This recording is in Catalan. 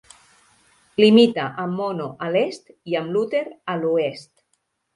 Limita amb Mono a l'est i amb Luther a l'oest.